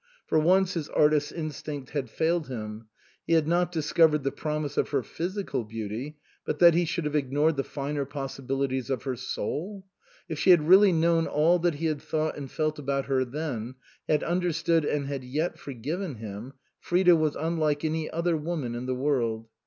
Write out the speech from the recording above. For once his artist's in stinct had failed him ; he had not discovered the promise of her physical beauty but that he should have ignored the finer possibilities of her soul ! If she had really known all that he had thought and felt about her then, had understood and had yet forgiven him, Frida was unlike any other woman in the world.